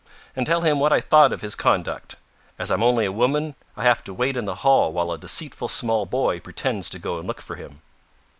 " And tell him what I thought of his conduct. As I'm only a woman, I have to wait in the hall while a deceitful small boy pretends to go and look for him."